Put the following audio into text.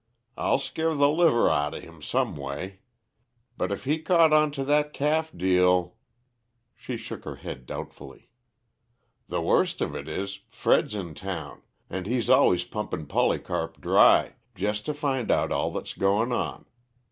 I'll scare the liver outa him some way. But if he caught onto that calf deal " She shook her head doubtfully. "The worst of it is, Fred's in town, and he's always pumpin' Polycarp dry, jest to find out all that's goin' on.